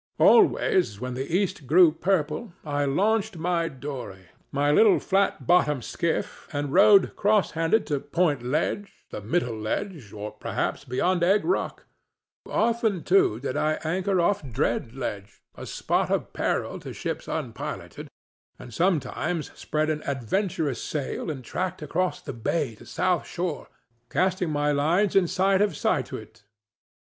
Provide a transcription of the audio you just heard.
Always when the east grew purple I launched my dory, my little flat bottomed skiff, and rowed cross handed to Point Ledge, the Middle Ledge, or perhaps beyond Egg Rock; often, too, did I anchor off Dread Ledge—a spot of peril to ships unpiloted—and sometimes spread an adventurous sail and tracked across the bay to South Shore, casting my lines in sight of Scituate.